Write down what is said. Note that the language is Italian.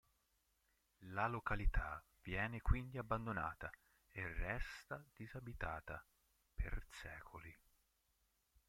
La località viene quindi abbandonata e resta disabitata per secoli.